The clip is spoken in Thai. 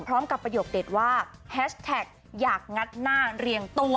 ประโยคเด็ดว่าแฮชแท็กอยากงัดหน้าเรียงตัว